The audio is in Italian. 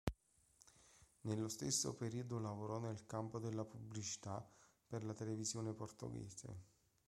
Nello stesso periodo lavorò nel campo della pubblicità, per la televisione portoghese.